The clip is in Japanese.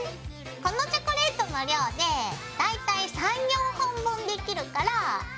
このチョコレートの量で大体３４本分できるからいっぱい作っちゃおう！